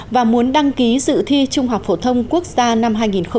và muốn đăng ký dự thi trung học phổ thông quốc gia năm hai nghìn một mươi chín